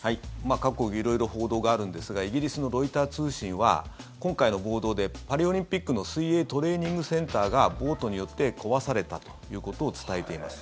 過去色々、報道があるんですがイギリスのロイター通信は今回の暴動でパリオリンピックの水泳トレーニングセンターが暴徒によって壊されたということを伝えています。